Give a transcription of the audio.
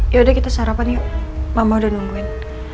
yaudah kita sarapan yuk mama udah nungguin